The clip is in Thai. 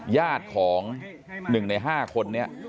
ญาติของ๑ใน๕คนนี้